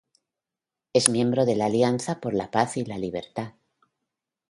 Es miembro de la Alianza por la Paz y la Libertad.